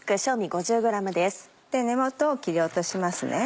根元を切り落としますね。